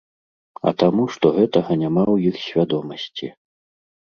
А таму, што гэтага няма ў іх свядомасці.